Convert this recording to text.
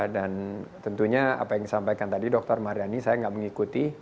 dan tentunya apa yang disampaikan tadi dr mardhani saya nggak mengikuti